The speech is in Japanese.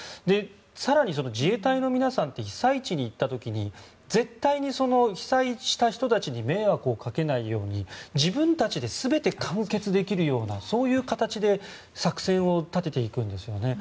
更に、自衛隊の皆さんって被災地に行った時に絶対に被災した人たちに迷惑をかけないように自分たちで全て完結できるような形で作戦を立てていくんですよね。